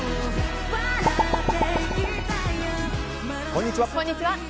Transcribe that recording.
こんにちは。